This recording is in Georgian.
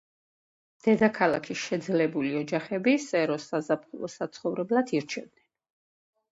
დედაქალაქის შეძლებული ოჯახები სეროს საზაფხულო საცხოვრებლად ირჩევდნენ.